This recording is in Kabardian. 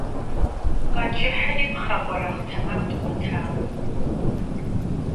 Къэджыхьри, пхъэ къуэрагъ тэмэм дгъуэтакъым.